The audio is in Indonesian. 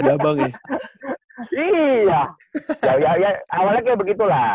ya awalnya kayak begitulah